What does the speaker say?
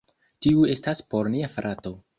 Tiu estas por nia frato